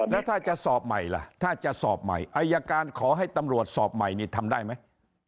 แล้วถ้าจะสอบใหม่ล่ะถ้าจะสอบใหม่อายการขอให้ตำรวจสอบใหม่นี่ทำได้ไหม